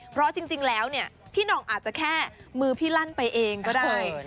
เพราะจริงแล้วเนี่ยพี่หน่องอาจจะแค่มือพี่ลั่นไปเองก็ได้